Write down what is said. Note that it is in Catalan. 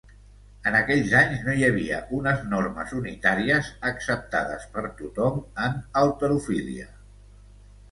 En aquells anys no hi havia unes normes unitàries acceptades per tothom en halterofília.